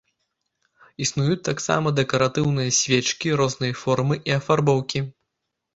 Існуюць таксама дэкаратыўныя свечкі рознай формы і афарбоўкі.